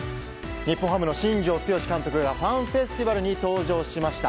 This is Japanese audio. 日本ハムの新庄剛志監督がファンフェスティバルに登場しました。